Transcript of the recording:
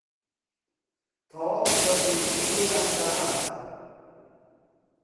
تەواو سەبووریم پێیان دەهات